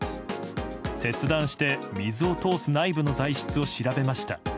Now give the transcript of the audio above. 切断して水を通す内部の材質を調べました。